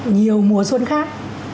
nhiều mùa xuân khác